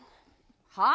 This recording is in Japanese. はあ？